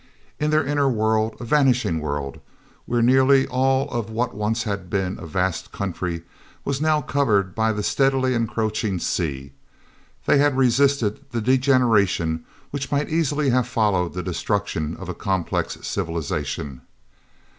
In their inner world, a vanishing world, where nearly all of what once had been a vast country was now covered by the steadily encroaching sea, they had resisted the degeneration which might easily have followed the destruction of a complex civilization.